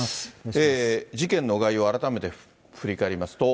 事件の概要を改めて振り返りますと。